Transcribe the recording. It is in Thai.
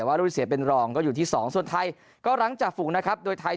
รุ่นที่เสียเป็นรองก็อยู่ที่๒ส่วนไทยก็หลังจากฝูงนะครับโดยไทย